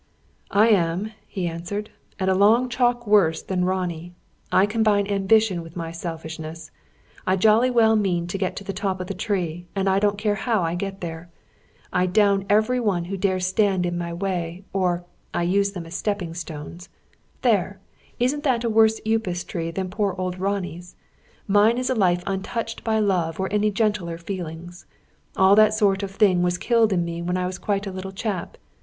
"I am," he answered; "and a long chalk worse than Ronnie. I combine ambition with my selfishness. I jolly well mean to get to the top of the tree, and I don't care how I get there. I down every one who dares stand in my way; or I use them as stepping stones. There! Isn't that a worse Upas tree than poor old Ronnie's? Mine is a life untouched by love, or any gentler feelings. All that sort of thing was killed in me when I was quite a little chap.